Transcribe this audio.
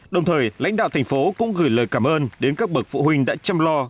đồng thời lãnh đạo thành phố cũng gửi lời cảm ơn đến các bậc phụ huynh đã chăm lo